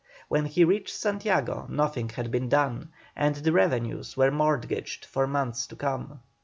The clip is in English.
When he reached Santiago nothing had been done, and the revenues were mortgaged for months to come.